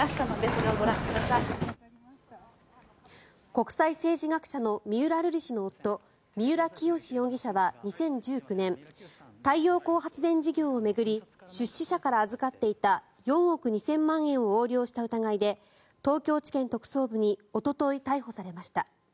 国際政治学者の三浦瑠麗氏の夫三浦清志容疑者は２０１９年太陽光発電事業を巡り出資者から預かっていた４億２０００万円を横領した疑いで東京地検特捜部におととい逮捕されました。